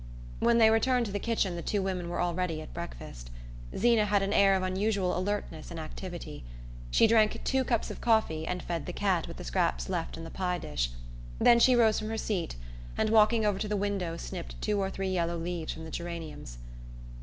When they returned to the kitchen the two women were already at breakfast. Zeena had an air of unusual alertness and activity. She drank two cups of coffee and fed the cat with the scraps left in the pie dish; then she rose from her seat and, walking over to the window, snipped two or three yellow leaves from the geraniums.